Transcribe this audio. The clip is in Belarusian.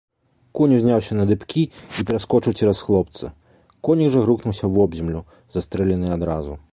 Конь узняўся на дыбкі і пераскочыў цераз хлопца, коннік жа грукнуўся вобземлю, застрэлены адразу.